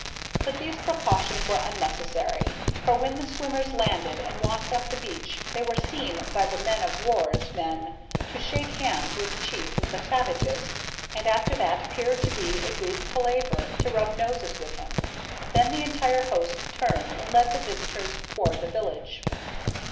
But these precautions were unnecessary, for when the swimmers landed and walked up the beach they were seen by the man of war's men to shake hands with the chief of the savages, and, after what appeared to be a brief palaver, to rub noses with him. Then the entire host turned and led the visitors towards the village.